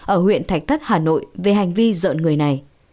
ở huyện thạch thất hà nội về hành vi dọn người này